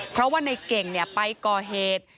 เพราะว่าในเก่งไปก่อเหตุ